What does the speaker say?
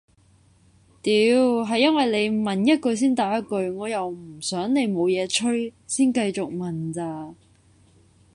屌係因為你問一句先答一句我又唔想你冇嘢吹先繼續問咋